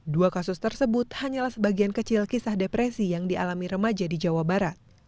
dua kasus tersebut hanyalah sebagian kecil kisah depresi yang dialami remaja di jawa barat